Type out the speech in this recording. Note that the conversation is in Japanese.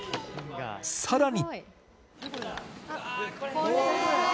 さらに。